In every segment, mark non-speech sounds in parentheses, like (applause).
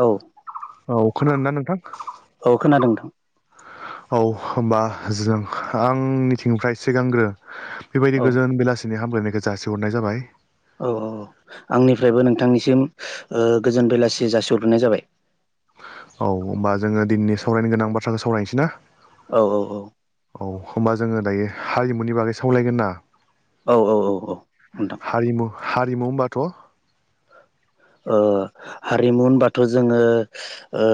औ औ खोनादोंना नोंथां? औ खोनादों नोंथां औ होनोमबा जों आंनिथिंनिफ्राय सिगांग्रो बेबायदि औ गोजोन बेलासिनि हामलायनायखो जासिहरनाय जाबाय औ औ औ आंनिफ्रायबो नोंथांनिसिम ओ गोजोन बेलासि जासिहरग्रोनाय जाबाय। औ होमबा जोङो दिनैनि सावरायनो गोनां बाथ्राखौ सावरायनोसै ना औ औ औ औ होमबा जोङो दायो हारिमुनि बागै सावलायगोन ना? औ औ औ औ नोंथां हारिमु हारिमु होनबाथ' ओ हारिमु होनबाथ' जोङो ओ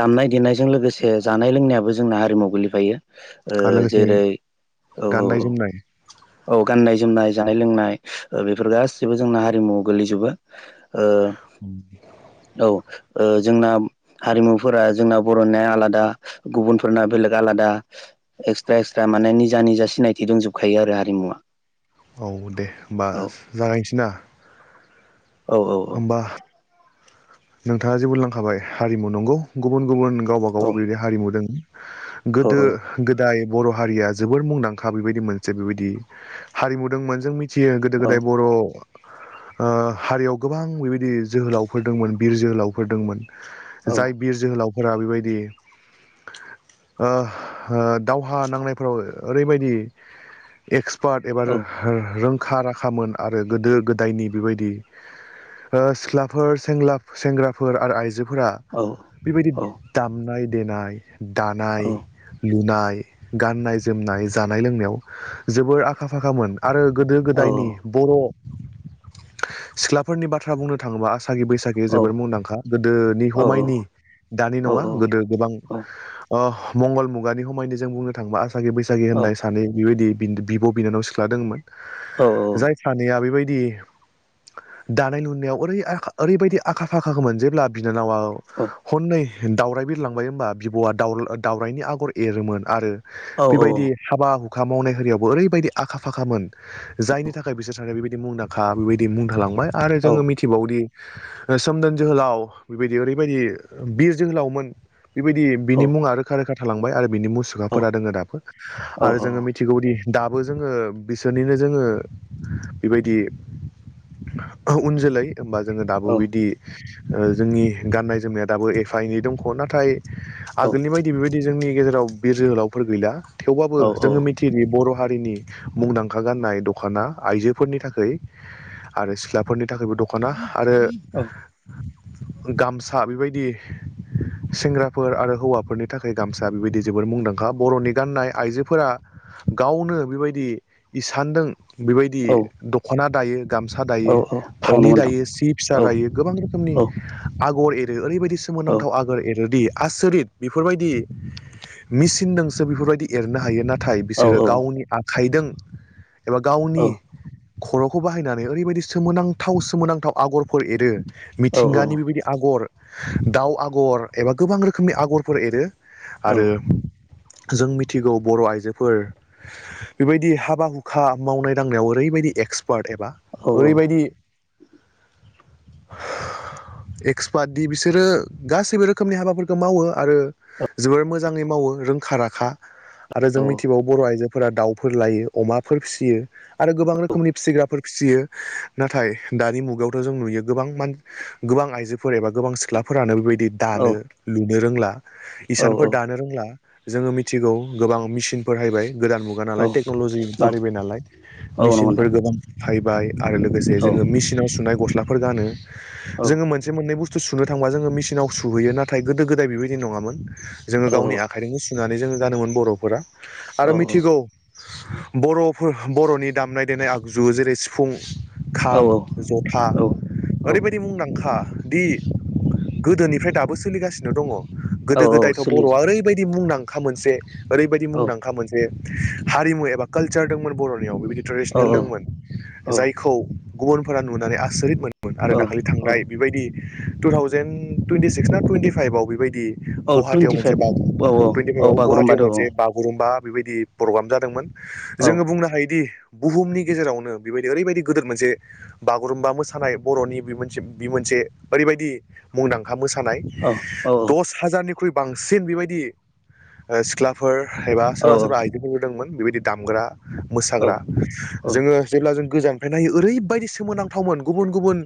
दामनाय देनायजों लोगोसे जानाय लोंनायाबो जोंना हारिमु गोग्लैफायो। ओ आरो लोगोसे जेरै औ औ गाननाय औ जोमनाय औ गाननाय जोमनाय जानाय लोंनाय ओ बेफोर गासिबो जोंना हारिमुवाव गोगलैजोबो औ औ ओ जोंना हारिमुफोरा जोंना बर'निया आलादा गुबुनफोरना बेलेग आलादा दा एक्सट्रा एक्सट्रा माने निजा निजा सिनायथि दंजोबखायो आरो हारिमुवा। औ दे होमबा औ जागायनोसै ना औ होमबा नोंथाङा जे बुनलांखाबाय हारिमु नंगौ गुबुन गुबुन गावबा औ गावा बेदि हारिमु दों औ गोदो गोदाय बर' हारिया जोबोर मुंदांखा बेबायदि मोनसे बेबायदि हारिमु दोंमोन जों मिन यो गोदो गोदाय बर' हारियाव गोबां बेबायदि जोहोलावफोर दोंमोन बिर जोहोलावफोर दोंमोन औ जाय बिर जोहोलाव फोरा बेबायदि दावहा नांनायफोराव ओरैबायदि एक्स एक्सपार्ट एबा औ रोंखा राखामोन आरो गोदो गोदायनि बेबायदि सिख्लाफोर सेंग्राफोर आरो आइजोफोर फोरा बेबायदि औ दामनाय देनाय दानाय औ लुनाय गाननाय जोमनाय जानाय लोंनायाव जोबोर आखा फाखामोन आरो गोदो औ गोदायनि बर' सिख्लाफोरनि बाथ्रा बुंनो थाङोबा आसागि साखि बैसागि जोबद मुंदांखा गोदोनि हमायनि औ दानि नङा गोदो गोबां मंगल मुगानि समायनो जों बुंनो थाङोबा आसागे बैसागि होननाय सानै बेबायदि बिब' बिनानाव सिख्ला दमोन जाय सानैया बेबायदि दानाय लुनायाव ओरै ओरैबायदि आखा फाखा मोन जेब्ला बिनानावा हननै दाावराय बिरलांबाय होनोमबा बिब'आ द दाउरायनि आगर एरोमोन आरो औ बेबायदि हाबा हुखा मावनाय हारियावबो ओरैबायदि आखा फाखामोन जायनि थाखाय बिसोर सानैनि बेबायदि मुंदांखा बेबायदि मुं थालांबाय आरो जोङो मिथिबावोदि सोमदोन जोहोलाव बेबायदि ओरैबायदि बिर जोहोलावमोन बेबायदि बिनि मुङा रोखा रोखा थालांबाय आरो बिनि मुसुखाफोरा दोङो दाबो आरो जोङो मिथिगौदि दाबो जोङो बिसोरनिनो जोङो बेबायदि उन जोलै होमबा जोङो दाबो बिदि जोंनि गान्नाय जोमनाया दाबो एफा एनै दंख' नाथाय आगोलनि बायदि बेबायदि जोंनि गेजेराव बिर जोहोलावफोर गैला थेवबाबो जोङो मिथिदि बर' हारिनि मुंदांखा गाननाय दख'ना आइजोफोरनि थाखाय आरो सिख्लाफोरनि थाखायबो दखाना आरो गामसा बेबायदि सेंग्राफोर आरो हौवाफोरनि थाखाय गामसा बेबायदि जोबोद मुंदांखा बर'नि गाननाय आइजोफोरा गावनो बेबायदि इसानदों बेबायदि दख'ना दायो गामसा दायो औ फालि नंगौ नोंथां दायो सि फिसा औ दायो गोबां रोखोमनि औ आगर एरो ओरैबायदि औ सोमोनांथाव आगोर एरोदि आसरित बेफोरबायदि मिचनजोंसो बेफोरबायदि एरनो हायो नाथाय नाथाय औ बिसोरो गावनि आखाइदों एबा औ गावनि खर'खौ बाहायनानै ओरैबायदि सोमोनांथाव सोमोनांथाव आगरफोर एरो औ मिथिंगानि बेबायदि आगर दाउ आगर एबा गोबां रोखोमनि आगरफोर एरो आरो जों मिथिगौ बर' आइजोफोर बेबायदि हाबा हुखा मावनाय दांनायाव ओरैबायदि एक सपार्ट एबा औ ओरैबायदि एक्सपार्ट दि बिसोरो गासैबो रोखोमनि हाबाफोरखौ मावो आरो जोबोर मोजाङै मावो रोंखा राखा आरो जों मिथिबावो बर' आइजोफोरा दाउफोर लायो अमाफोर फिसियो आरो गोबां रोखोम फिसिग्राफोर फिसियो नाथाय दानि मुगायावथ' जों नुयो गोबां मान गोबां आइजोफोर एबा गोबां सिख्लाफोरानो बेबायदि दानो लुनो रोंला इसानफोर दानो रोंला जोङो मिथिगौ गोबां मिसिनफोराहायबाय गोदान मुगा नालाय टेक्न'लजि बारायबाय नालाय नंगौ मेसिनफोर नोंथां गोबां हाइबाय आरो लोगोसे औ जोङो मिसिनाव सुनाय गस्लाफोर गानो औ जोङो मोनसे मोननै बुस्थु सुनो थांबा जोङो मिसिनासुहैयो नाथाय गोदो गोदाय बेदि नङामोन जोङो औ गावनि आखायजोंनो दानानै गानोमोन बर'फोरा औ आरो मिथिगौ बर बर'नि दामनाय देनाय देनाय आगजु जेरै सिफुं औ खाम जथा औ औ ओरैबायदि मुंदांखा दि गोदोनिफ्राय दाबो सोलिगासिनो दङ औ गोदो गोदायथ' सोलियो बर'आ ओरैबायदि मुंदांखा मोनसे ओरैबायदि औ मुंदांखा मोनसे हारिमु एबा कालचार दंमोन बर'नियाव बेबायदि औ ट्रेडिसनेल दंमोन औ जायखौ गुबुनफोरा नुनानै आसरित मोनोमोन आरो औ दाखालि औ थांनाय बेबायदि टु थावजेन टुइनन्टि सिक्स ना टुइनटिफाइभआव बेबायदि औ गुहाटियाव मोनसे टुइन्टिफाइभ बाग औ औ (unintelligible) औ बागुरुम्बा गुवाहाटियाव दौ मोनसे औ बागुरुम्बा। बेबायदि प्रग्राम जादोंमोन जोङो बुंनो हायोदि। बुहुमनि गेजेरावनो बिबायदि ओरैबायदि गोदोर मोनसे बागुरुम्बा मोसानाय बर'नि बि मोनसे बि मोनसे। दे ओरैबायदि मुंदांखा मोस। थानाय औ औ दस हाजारनिख्रुइ बांसिन बिबायदि ओ सिख्लाफोर। एबा सोरबा औ सोरबा आइजोफोरबो दोंमोन बेबायदि दामग्रा औ मोसाग्रा जोङो जेब्ला जों। गोजाननिफ्राय नायो ओैबायदि सोमोनांथावमोन गुबुन गुबुन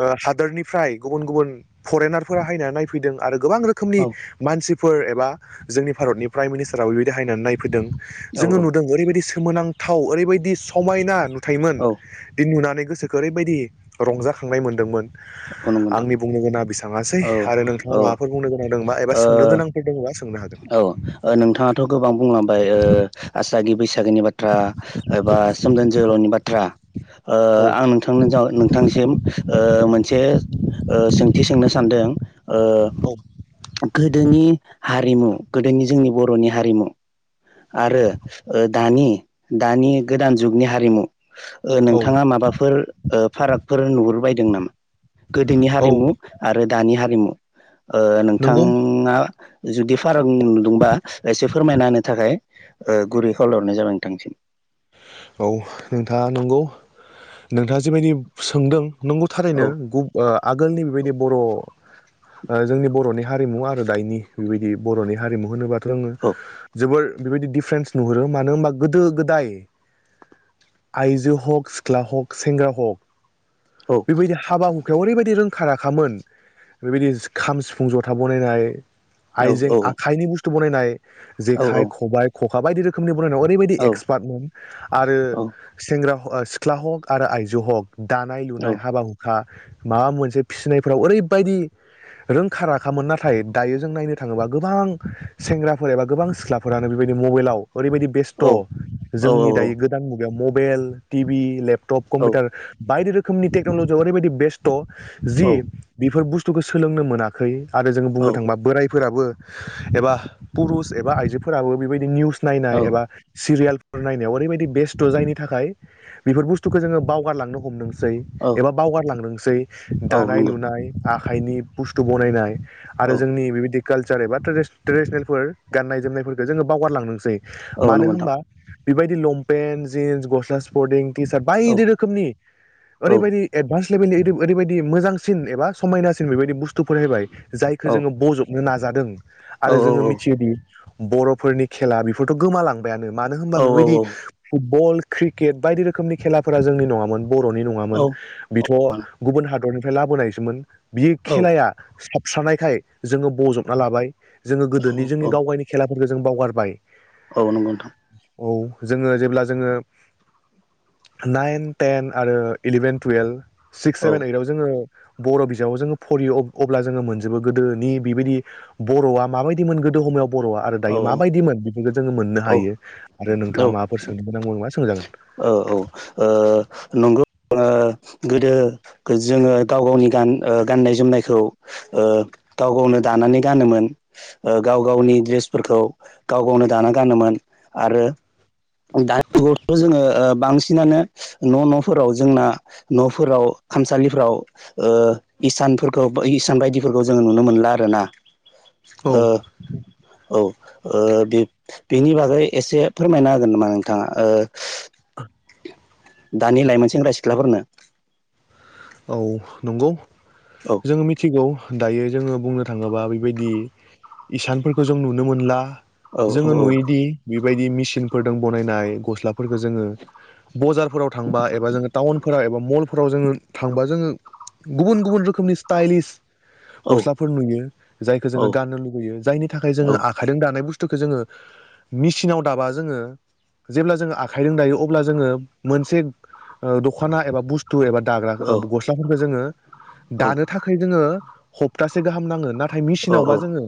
ओ हादोरनि। फ्राय गुबुन गुबुन फरेनार फोर फायना नायफैदों आरो गोबां रोखोमनि मानसिफ। फोर एबा जोंनि भारतनि प्राइम मिनिस्टाराबो बिदि हायनानै नायफैदों औ जोङो नुदों ओरैबायदि सो। सोमोनांथाव ओरैबायदि समायना नुथायमोन दि नुनानै। गोसोखो ओरैबायदि रंजाखांनाय मोन्दोंमोन। हन आंनि बुंनो गोनाङा बेसांआसै आरो नोंथाङा औ माबाफोर बुंनो गोनां दोङोबा एबा सोंनो गोनांफोर दोङोबा। औ नोंथाङाथ' गोबां बुंलांबाय ओ आसागि बैसागोनि बाथ। थ्रा एबा सोमदोन जोहोलावनि बाथ्रा। औ ओ नोंथां (unintelligible) ओ नोंथांनिसिम मोनसे। ओ सोंथि सोंनो सानदों ओ गोदोनि। हारिमु गोदोनि जोंनि बर'नि हारिमु। आरो ओ दानि दानि गोदान जुगनि हारिमु। ओ औ नोंथाङा माबाफोर ओ फारागफोर नुहुरबायदों नामा। गोदोनि औ हारिमु आरो दानि हारिमु ओ नोंथां नंगौ आ। जुदि फाराग नुदोंबा एसे फोरमायना होनो थाखाय ओ गुरै खावलायहरनाय जाबाय नोंथांनिसिम। औ नोंथाङा नंगौ नोंथाङा जेबायदि सोंदों। नंगौ थारैनो औ गु ओ आगोलनि बेबायदि बर'। ओ जोंनि बर'नि हारिमु आरो दायनि बेबायदि बर'नि हारिमु होनोबा। जोंङो औ जोबोर बेबायदि डिफारेन्स नुहरो मानो होनबा गोदो गोदाय। आइजो हक सिख्ला हक सेंग्रा हक। औ बेबायदि हाबा हुखायाव ओरैबायदि रोंख। खामोन बेबायदि खाम सिफुं जथा बनायनानै औ आइजों आखाइनि बुस। खो बनायनाय औ जेखाय खबाय खखा बायदि रोखोमनि। फरायनाव ओरैबायदि औ एक्सपार्टमोन आरो औ सेंग्रा ह सिख्ला हक आरो आइजो हक। दानाय औ लुनाय। खा माबा मोनसे फिसिनायफ्राव ओरैबायदि। रोंखा राखामोन नाथाय दायो जों नायनो थाङोबा गोबां सेंग्राफोर एबा गोबां सिख्लाफोरानो बेबायदि। मबाइलाव ओरैबायदि बेस्त' औ औ जोंनि दायो गोदान मुगायाव मबेल टिबि लेप। तप कमपिउतार बायदि रोखोमनि टेकन'लजियाव ओरैबायदि बेस्त' जि बिफोर बुसत। तुखो सोलोंनो मोनाखै आरो जों बुंनो थांङोबा बोरायद। फोराबो एबा पुरुस एबा आइजोफोराबो बेबायदि निउस नायनाय औ एबा सिरियाल। नायनायाव ओरैबायदि बेस्त' जायनि थाखाय बेफोर बुस्थुखौ जोङो बावगारलांनो हमदोंसै। औ एबा बावगारलांदोंसै औ दानाय नंगौ लुनाय आखाइनि बुस्तु बनायनाय। औ आरो जोंनि बेबायदि कालचार एबा ट्रेडिस ट्रेडिसनेलफोर गाननाय जोमनायफोरखो जोङो बावगारलांदोंसै। औ मानो नंगौ नोंथां होमबा बिबायदि लंपेन्ट जिन्स गस्ला स्परटिं। टिचार औ बायदि रोखोमनि औ ओरैबायदि एदभास। (unintelligible) ओरैबायदि मोजांसिन एबा समायनासिन बेबायदि बुस्थुफोर होबाय औ जायखो जोङो बजबनो नाज। जादों आरो जोङो मिथियोदि बर'फोरनि खेला बेफोरथ' गोमालां गानो मानो होमबा बेबायदि फुटबल क्रिकेट बायदि रोखोमनि खेलाफोरा जोंनि नङामोन बर'नि नं बेथ' गुबुन हादरनिफ्राय लाबोनायसोमोन बि औ खेलाया साब सुस्रानायखाय जोंङो बजबना लाबाय जोङो गोदोनि औ जोंनि गावगायनि खेलाफोरखो जों बावगारबाय। औ नंगौ नोथां जोंङो जेब्ला जोंङो नाइन टेन आरो इलेभेन टुयेल। सिक्स औ सेभेन इदव जोङो बर' बिजाबाव जोङो फरायो अब्ला जोङो मोनजोबो गोदोनि बेबायदि बर'आ माबायदि मोन गोदो समाव बर'आ आरो दायो औ माबायदिमोन बेफोरखौ जोङो मोननो औ हायो आरो नोंथाङा माबाफोर सोंनो गोनां दंफां मा सोंजागोन औ औ नंगौ गोदो जोङो गाव गावनि गान गाननाय जोमनायखौ गाव गावनो दानानै गानोमोन गाव गावनि द्रेस फोरखौ गाव गावनो दाना गानोमोन आरो दानि जुगावथ' जोङो बांसिनानो न' न'फोराव जोंना न'फोराव खामसालिफ्राव इसानफोरखौ इसान बायदिफोरखौ जोङो नुनो मोनला आरोना औ औ बेनि बागै एसे फोरमायना जागोन नामा नोंथाङा दानि लाइमोन सेंग्रा सिख्लाफोरनो औ नंगौ औ जोङो मिथिगौ दायो जोङो बुंनो थाङोब्ला बेबायदि इसानफोरखौ जों नुनो मोनला औ जोङो नुयोदि बेबायदि मेसिनफोरजों बनायनाय गस्ला फोरखो जोङो बजारफोराव थांबा एबा जोङो टाउनफोराव एबा मलफोराव जोङो थांबा जोङो गुबुन गुबुन रोखोमनि स्टाइलिस औ गस्लाफोर नुयो जायखौ औ जोङो गाननो लुुबैयो जायनि थाखाय जोङो आखाइजों दानाय बुस्थु बुथुखौ जोङो मेचिनाव दाबा जोङो जेब्ला जोङो आखाइजों दायो अब्ला जोङो मोनसे दख'ना एबा बुस्थु एबा दाब औ गस्लाफोरखौ जोङो दानो थाखाय जोङो सप्तासे गाहाम नाङो नाथाय ओमफ्राय मेसिनावबा औ जोङो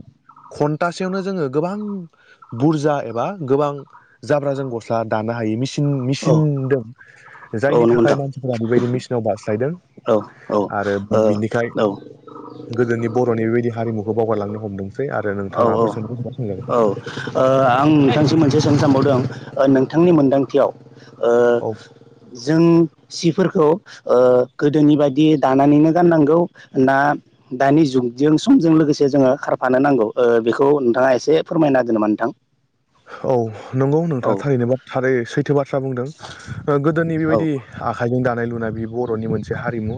घन्टासेयावनो जोङो गोबां बुरजा एबा गोबां जाब्रा जों गस्ला दानो हायो मिसिनाव औ मेसिन द औ जायनि नंगौ थाखाय नोंथां मानसिफोरा बेबायदि मिेसिनाव बारास्लायदों औ औ औ गोदोनि बर'नि बेबायदि हारिमुखौ बावगारलांनो हमदोंसै आरो औ नोंथाङा माबाफोर सोंनोबा सोंजागोन ओ आं नोंथांसिम मोनसे सों सानबावदों नोंथांनि मोनदांथियाव औ जों सिफोरखौ गोदोनि बायदि दानानैनो गाननांगौ ना दानि जुगजों समजों लोगोसे जोङो खारफानो नांगौ बेखौ नोंथाङा एसे फोरमायना हागोन नामा नोंथां औ नंगौ नोंथाङा औ थारैनो थारै सैथो बाथ्रा बुंदों दोै औ बेबायदि आखाइजों दानाय लुनाय बे बर'नि मोनसे हारिमु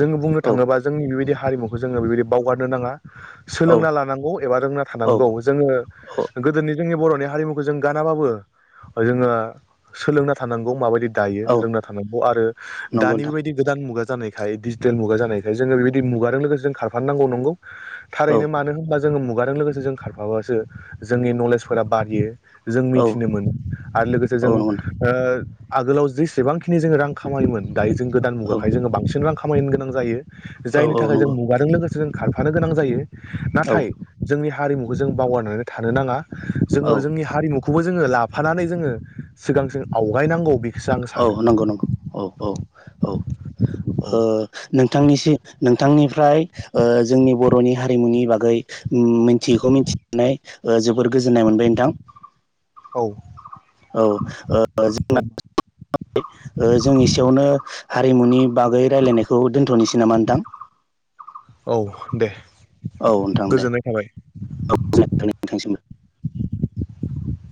जोङ बुंनो औ थाङोबा जोंनि बेबायदि हारिमुखौ जोङो बेबायदि बावगारनो नाङा औ सोलोंना लानांगौ एबा रोंना औ थानांगौ जोङो औ गोदोनि जोंनि बर' हारिमुखौ जों गानाबाबो जोङो सोलोंना थानांगौ माबायदि दायो औ रोंना थांगौ आरो नंगौ दानि नोंथां बेबायदि गोदान मुगा गोदान मुगा जानायनि औ (inaudible) जोङो मुगाजों लोगोसे जों खारफाबासो जोंनि नलेजफोरा बारियो जों औ मिथिनो मोनो आरो लोगोसे जों औ नंगौ नोंथां आगोलाव जेसेबांखिनि जोङो रां खामायोमोन दायो जों गोदान औ मुगाखाय जोङो बांसिन रां खामायनो गोनां जायो औ जायनि औ थाखाय जों नंगौ मुगाजों लोगोसे जों खारफानो गोनां जायो औ नाथाय जोंनि हारिमुखौ जों बावगारनानै थानो नाङा जोङो औ जोंनि हारिमुखौ खौबो जोङो लाफानानै जोङो सिगांथिं आवगायनांगौ बे औ नंगौ नंगौ औ औ औ औ नों नोंथांनिफ्राय जोंनि बर'नि हारिमुनि बागै मिथियैखौथि नानै जोबोर गोजोननाय मोनबाय नोंथां औ औ जोंना (inaudible) जों एसेयावनो हारिमुनि बागै रायलायनायखौ दोन्थ'नोसै नामा नोंथां औ दे औ नोंथां दे गोजोननाय थाबाय औ (unintelligible)